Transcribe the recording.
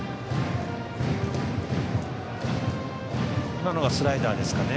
今のはスライダーですかね。